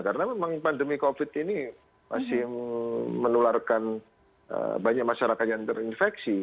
karena memang pandemi covid ini masih menularkan banyak masyarakat yang terinfeksi